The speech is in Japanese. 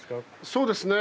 そうですね。